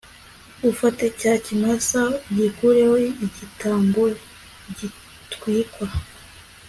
ufate cya kimasa ugitureho igitambo gitwikwa